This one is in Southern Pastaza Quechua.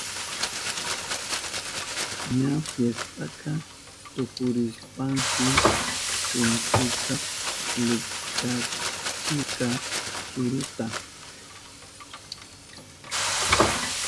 Ña fiestaka tukurishpanshi kuntruka likchachirka suruta.